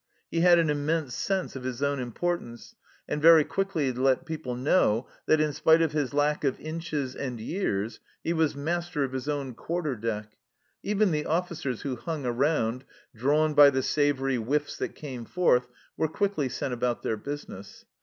He had an immense sense of his own importance, and very quickly let people know that, in spite of his lack of inches and years, he was master of his own quarter deck ; even the officers who hung around, drawn by the savoury whiffs that came forth, were quickly sent about their business.